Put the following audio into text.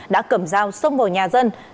đã cầm dao xông vào nhà dân